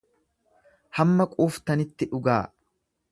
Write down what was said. Hamma quuftanitti dhugaa.